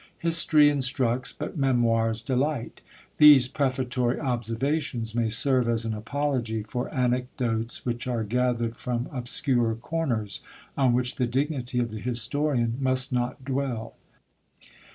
History instructs, but Memoirs delight. These prefatory observations may serve as an apology for Anecdotes which are gathered from obscure corners, on which the dignity of the historian must not dwell.